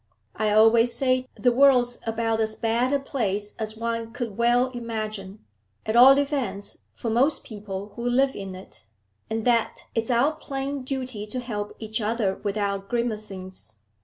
I always say the world's about as bad a place as one could well imagine, at all events for most people who live in it, and that it's our plain duty to help each other without grimacings.